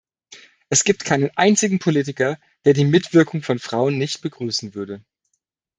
Es gibt keinen einzigen Politiker, der die Mitwirkung von Frauen nicht begrüßen würde.